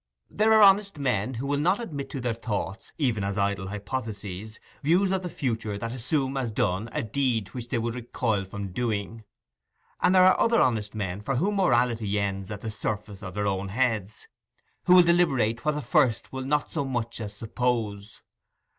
There are honest men who will not admit to their thoughts, even as idle hypotheses, views of the future that assume as done a deed which they would recoil from doing; and there are other honest men for whom morality ends at the surface of their own heads, who will deliberate what the first will not so much as suppose.